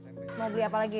mau beli apa lagi